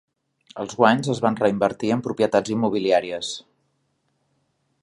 Els guanys es van reinvertir en propietats immobiliàries.